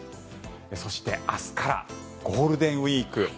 そして明日からゴールデンウィーク。